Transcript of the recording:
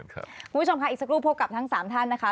คุณผู้ชมค่ะอีกสักครู่พบกับทั้ง๓ท่านนะคะ